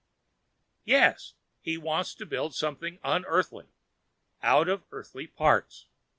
"Yes. He wants to build something unEarthly. Out of Earthly parts.